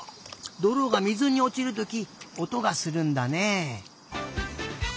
どろが水におちるときおとがするんだね。